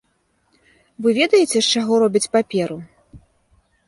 Вы ведаеце, з чаго робяць паперу?